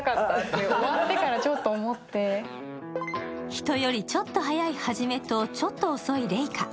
人よりちょっと早いハジメとちょっと遅いレイカ。